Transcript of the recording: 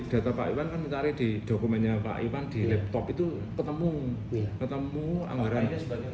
data pak iwan kan mencari di dokumennya pak iwan di laptop itu ketemu ketemu anggarannya